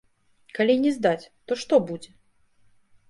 Калі не здаць, то што будзе?